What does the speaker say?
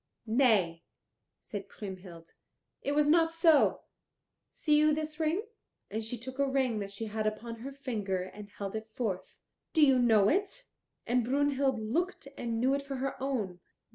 "Nay," said Kriemhild, "it was not so. See you this ring?" And she took a ring that she had upon her finger and held it forth. "Do you know it?" And Brunhild looked and knew it for her own.